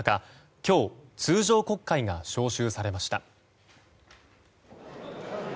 今日、通常国会が召集されました。